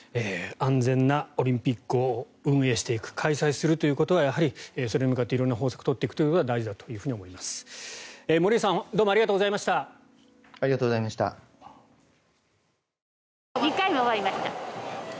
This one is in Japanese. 安全なオリンピックを運営していく開催していくということはやはりそれに向かって色んな方策を取っていくことが大事だと思います。